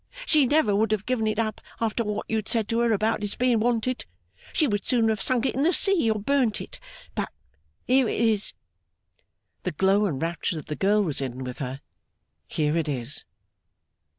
She never would have given it up after what you had said to her about its being wanted; she would sooner have sunk it in the sea, or burnt it. But, here it is!' The glow and rapture that the girl was in, with her 'Here it is!